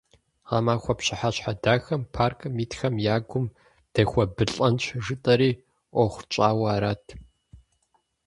Гъэмахуэ пщыхьэщхьэ дахэм паркым итхэм я гум дехуэбылӀэнщ жытӀэри, Ӏуэху тщӀауэ арат.